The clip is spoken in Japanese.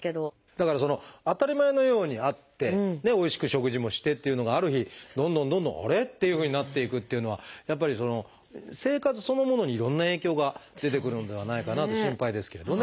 だから当たり前のようにあっておいしく食事もしてっていうのがある日どんどんどんどんあれ？っていうふうになっていくっていうのはやっぱり生活そのものにいろんな影響が出てくるのではないかなと心配ですけれどね。